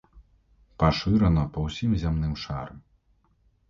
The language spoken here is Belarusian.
Пашыраны па ўсім зямным шары.